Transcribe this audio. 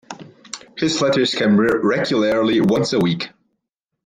His letters came regularly once a week.